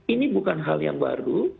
ini bukan hal yang baru